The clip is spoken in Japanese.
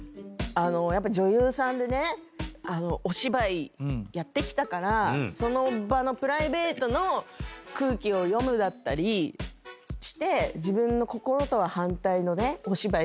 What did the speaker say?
やっぱ女優さんでねお芝居やってきたからその場のプライベートの空気を読むだったりして自分の心とは反対のお芝居したりとか。